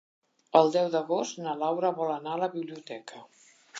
El deu d'agost na Laura vol anar a la biblioteca.